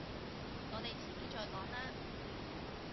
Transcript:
我哋遲啲再講啦